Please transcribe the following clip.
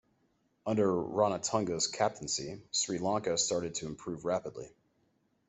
Under Ranatunga's captaincy, Sri Lanka started to improve rapidly.